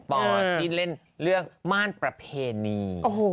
ลินปอที่เล่นเรื่องมารประเพณี